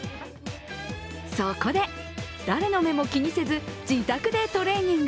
そこで、誰の目も気にせず自宅でトレーニング。